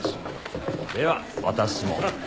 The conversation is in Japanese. では私も。